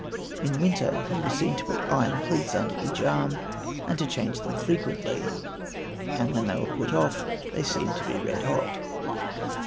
In winter he was seen to put iron cleats under each arm and to change them frequently, and when they were put off they seemed to be red hot.